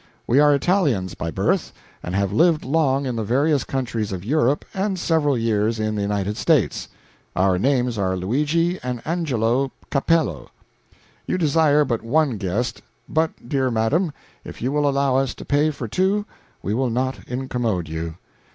We are Italians by birth, but have lived long in the various countries of Europe, and several years in the United States. Our names are Luigi and Angelo Capello. You desire but one guest; but dear Madam, if you will allow us to pay for two, we will not incommode you.